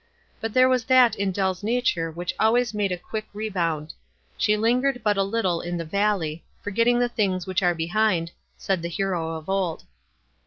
But there was that in Delfs nature which always made a quick rebound. She lingered but a little in the valley — "for getting the things which are behind," said the hero of old.